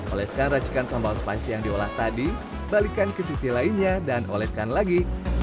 oleskan racikan sambal spasi yang diolah tadi balikan ke sisi lainnya dan oledkan lagi